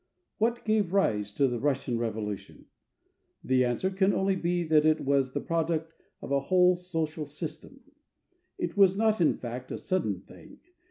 What gave rise to the Russian Revolution? The answer can only be that it was the product of a whole social system. It was not in fact a sudden thing.